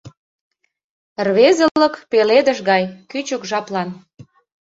Рвезылык — пеледыш гай, кӱчык жаплан.